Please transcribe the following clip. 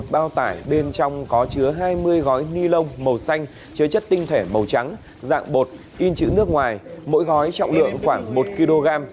bao tải bên trong có chứa hai mươi gói ni lông màu xanh chứa chất tinh thể màu trắng dạng bột in chữ nước ngoài mỗi gói trọng lượng khoảng một kg